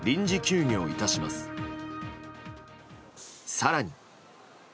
更に。